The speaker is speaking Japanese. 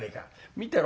見てろ？